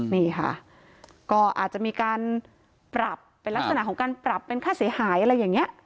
นี่ค่ะก็อาจจะมีการปรับเป็นลักษณะของการปรับเป็นค่าเสียหายอะไรอย่างนี้